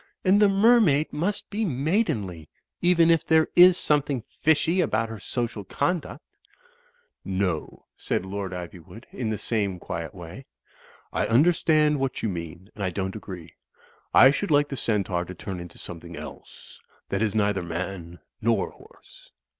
And the Mermaid must be maidenly; even if there is something fishy about her social conduct." "No," said Lord Ivywood, in the same quiet way, "I Digitized by CjOOQ IC 254 THE FLYING INN understand what you mean, and I don't agree. I should like the Centaur to turn into something else, that is neither man nor horse."